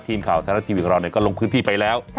ทีมข่าวไทยรัฐทีวีของเราก็ลงพื้นที่ไปแล้ว